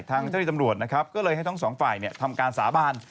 ทางเจ้าที่ตำรวจนะครับก็เลยให้ทั้งสองฝ่ายทำการสาบาน